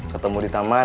ketemu di taman